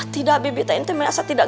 tidak bibi tadi ini saya tidak